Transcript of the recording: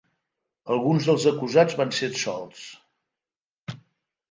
Alguns dels acusats van ser absolts.